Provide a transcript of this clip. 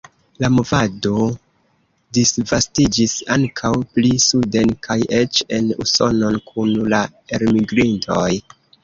La movado disvastiĝis ankaŭ pli suden kaj eĉ en Usonon kun la elmigrintoj.